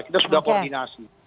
kita sudah koordinasi